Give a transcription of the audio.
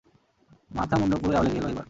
মাথা-মুণ্ডু পুরোই আউলে গেল এইবার!